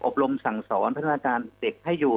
อบรมสั่งสรรพระนะอาจารย์เด็กให้อยู่